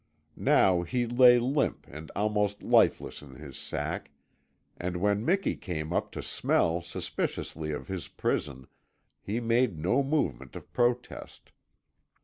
Now he lay limp and almost lifeless in his sack, and when Miki came up to smell suspiciously of his prison he made no movement of protest.